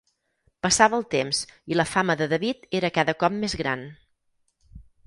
Passava el temps i la fama de David era cada cop més gran.